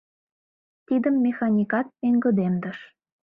Тидым механикат пеҥгыдемдыш.